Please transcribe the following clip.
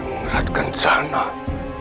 aku ingin mengeratkan jalan